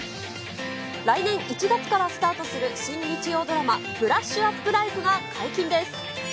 来年１月からスタートする新日曜ドラマ、ブラッシュアップライフが解禁です。